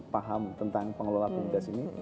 paham tentang pengelola bumdes ini